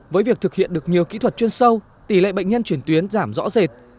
với việc thực hiện được nhiều kỹ thuật chuyên sâu tỷ lệ bệnh nhân chuyển tuyến giảm rõ rệt